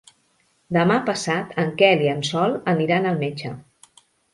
Demà passat en Quel i en Sol aniran al metge.